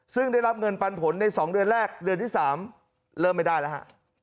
ซึ่งได้รับเงินปันผลใน๒เดือนแรกเดือนที่๓เริ่มไม่ได้แล้วฮะ